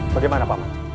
bagaimana pak man